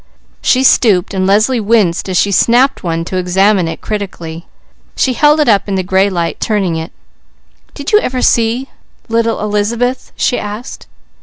She stooped and Leslie winced as she snapped one to examine it critically. She held it up in the gray light, turning it. "Did you ever see little Elizabeth?" she asked.